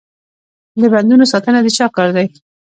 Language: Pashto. د بندونو ساتنه د چا کار دی؟